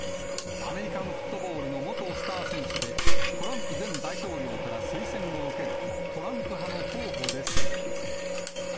アメリカンフットボールの元スター選手で、トランプ前大統領から推薦を受けるトランプ派の候補ですが。